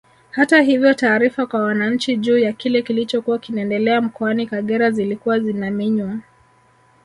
Hata hivyo taarifa kwa wananchi juu ya kile kilichokuwa kinaendelea mkoani Kagera zilikuwa zinaminywa